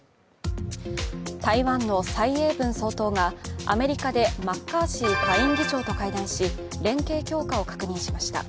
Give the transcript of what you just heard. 台湾の蔡英文総統がアメリカでマッカーシー下院議長と会談し、連携強化を確認しました。